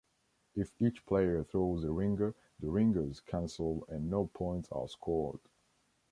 If each player throws a ringer, the ringers cancel and no points are scored.